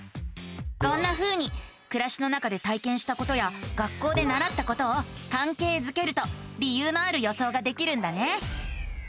こんなふうにくらしの中で体験したことや学校でならったことをかんけいづけると理由のある予想ができるんだね。